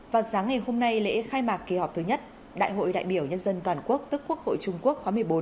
vào sáng ngày hôm nay lễ khai mạc kỳ họp thứ nhất đại hội đại biểu nhân dân toàn quốc tức quốc hội trung quốc khóa một mươi bốn